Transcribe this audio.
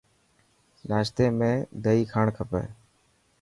ناشتي ۾ دئي کائڻ کپي.